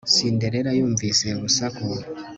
cinderella yumvise urusaku